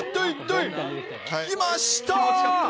いました。